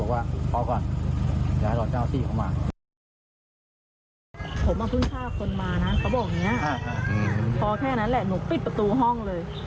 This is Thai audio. พอแค่นั้นแหละหนูปิดประตูห้องเลย